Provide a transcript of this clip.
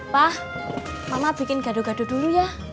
pak mama bikin gaduh gaduh dulu ya